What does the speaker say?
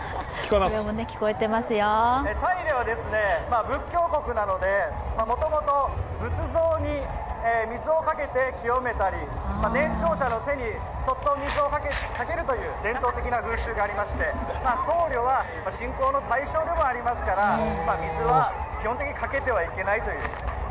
タイでは仏教国なので、もともと仏像に水をかけて清めたり、年長者の手にそっと水をかけるという伝統的な風習がありまして、僧侶は信仰の対象でもありますから水は基本的にかけてはいけないという。